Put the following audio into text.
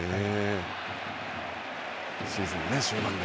シーズン終盤で。